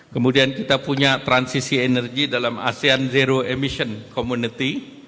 kemudian kita punya transisi energi dalam asean zero emission community